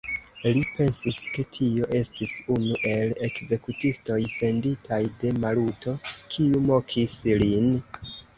Li pensis, ke tio estis unu el ekzekutistoj, senditaj de Maluto, kiu mokis lin.